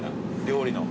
料理の。